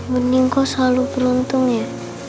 bening kok selalu beruntung ya